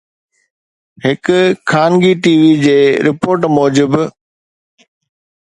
هڪ خانگي T V جي رپورٽ موجب